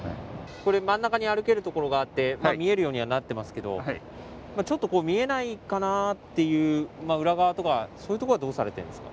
これ、真ん中に歩ける所があって、見えるようにはなってますけど、ちょっとこう、見えないかなっていう、裏側とか、そういう所はどうされているんですか？